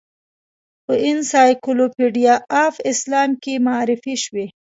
په انسایکلوپیډیا آف اسلام کې معرفي شوې.